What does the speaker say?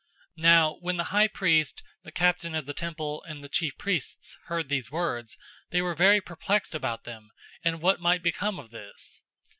005:024 Now when the high priest, the captain of the temple, and the chief priests heard these words, they were very perplexed about them and what might become of this.